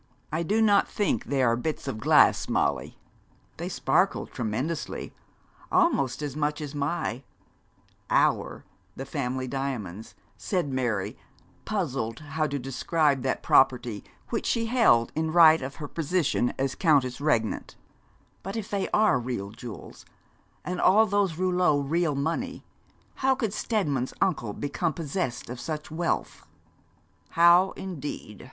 'I do not think they are bits of glass, Molly.' 'They sparkled tremendously almost as much as my our the family diamonds,' said Mary, puzzled how to describe that property which she held in right of her position as countess regnant; 'but if they are real jewels, and all those rouleaux real money, how could Steadman's uncle become possessed of such wealth?' 'How, indeed?'